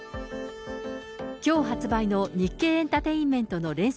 きょう発売の日経エンタテインメント！の連載